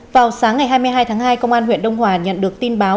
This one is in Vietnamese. vào sáng ngày hai mươi hai tháng hai công an huyện đông hòa nhận được tin báo